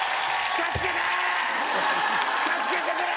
助けてくれ！